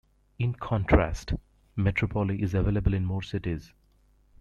In contrast, "Metropoli" is available in more cities.